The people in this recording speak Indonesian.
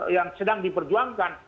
yang sedang diperjuangkan